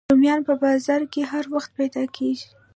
رومیان په بازار کې هر وخت پیدا کېږي